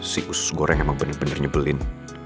si usus goreng emang bener bener nyebelin